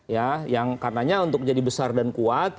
ya yang karenanya untuk jadi besar dan kuat